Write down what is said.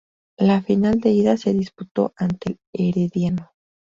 La final de ida se disputó ante el Herediano.